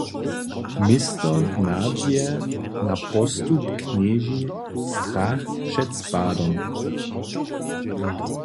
Město nadźije na postup knježi strach před spadom.